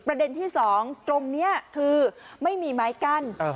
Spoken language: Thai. ประเด็นที่สองตรงนี้คือไม่มีไม้กั้น